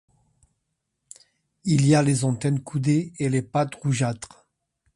Il a les antennes coudées et les pattes rougeâtres.